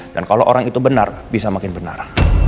dan kalau orang itu benar bisa makin benar